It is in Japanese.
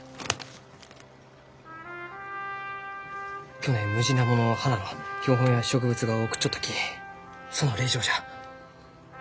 去年ムジナモの花の標本や植物画を送っちょったきその礼状じゃ。